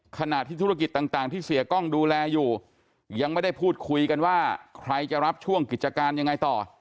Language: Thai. ขณะที่ธุรกิจต่างที่เสียกล้องดูแลอยู่ยังไม่ได้พูดคุยกันว่าใครจะรับช่วงกิจการยังไงต่อ